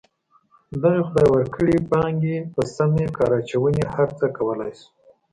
دغې خدای ورکړې پانګې په سمې کار اچونې هر څه کولی شي.